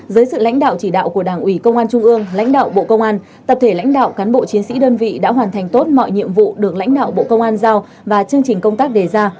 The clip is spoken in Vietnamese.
dưới sự lãnh đạo chỉ đạo của đảng ủy công an trung ương lãnh đạo bộ công an tập thể lãnh đạo cán bộ chiến sĩ đơn vị đã hoàn thành tốt mọi nhiệm vụ được lãnh đạo bộ công an giao và chương trình công tác đề ra